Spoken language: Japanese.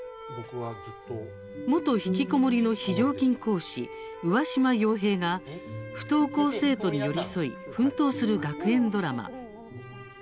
元ひきこもりの非常勤講師上嶋陽平が不登校生徒に寄り添い奮闘する学園ドラマ。